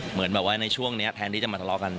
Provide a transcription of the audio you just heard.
เหมือนแบบว่าในช่วงนี้แทนที่จะมาทะเลาะกัน